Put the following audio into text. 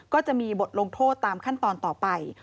ก็จะมีบทลงโทษตามขั้นตอนต่อไป